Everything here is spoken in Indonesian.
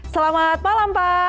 selamat malam pak